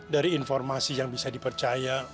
dari informasi yang bisa dipercaya